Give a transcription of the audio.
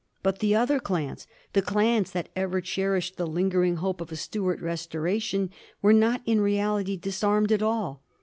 But the other clans — the clans that ever cherished the lingering hope of a Stuart restoration — were not in reality disarmed at all.